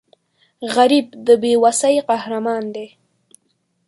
غریب د بې وسۍ قهرمان دی